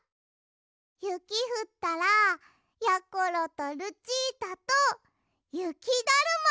ゆきふったらやころとルチータとゆきだるまつくるんだ！